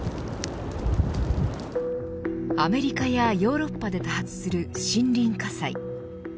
アメリカやヨーロッパで多発する森林火災。